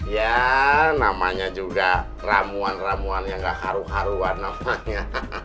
ya namanya juga ramuan ramuan yang gak haru haruan namanya